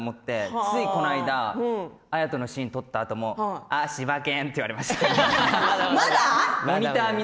ついこの間、綾とのシーンを撮った時もしば犬って言われました。